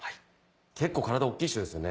結構体大っきい人ですよね。